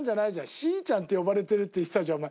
「しちゃん」って呼ばれてるって言ってたじゃんお前。